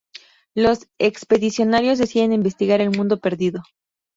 Los expedicionarios deciden investigar el mundo perdido.